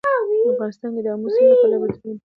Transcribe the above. افغانستان د آمو سیند له پلوه متنوع دی.